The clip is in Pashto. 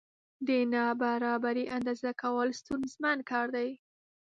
د نابرابرۍ اندازه کول ستونزمن کار دی.